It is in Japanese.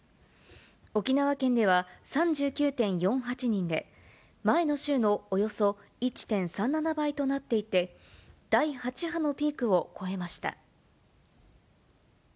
沖縄県では３９．４８人で、前の週のおよそ１．３７倍となっていて、第８波のピークを超えました。